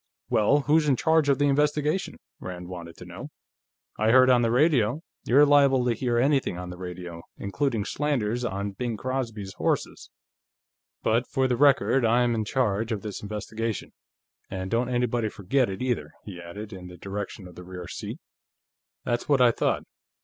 "Well, who's in charge of the investigation?" Rand wanted to know. "I heard, on the radio ..." "You're liable to hear anything on the radio, including slanders on Bing Crosby's horses. But for the record, I am in charge of this investigation. And don't anybody forget it, either," he added, in the direction of the rear seat. "That's what I thought.